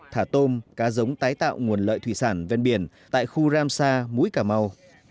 thả tôm cá giống tái tạo nguồn lợi thủy sản ven biển tại khu ramsar mũi cà mau